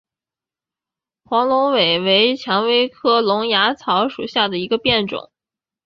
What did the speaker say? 黄龙尾为蔷薇科龙芽草属下的一个变种。